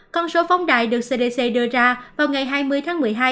con số phóng đại được cdc đưa ra vào ngày hai mươi tháng một mươi hai